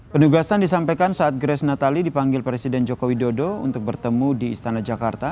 penugasan disampaikan saat grace natalie dipanggil presiden joko widodo untuk bertemu di istana jakarta